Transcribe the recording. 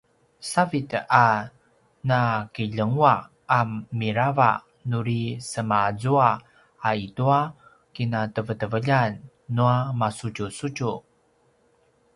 savid a nakiljengua’ a mirava nuri semaazua a i tua kinateveteveljan nua masudjusudju